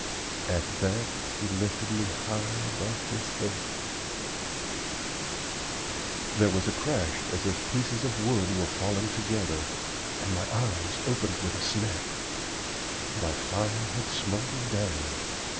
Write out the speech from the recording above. At that he lifted me high above his head " There was a crash as if pieces of wood were falling together and my eyes opened with a snap. My fire had smoldered down.